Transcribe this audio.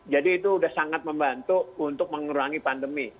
jadi itu sudah sangat membantu untuk mengurangi pandemi